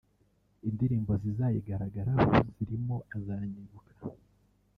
Indirimbo zizayigaragaraho zirimo ‘Azanyibuka’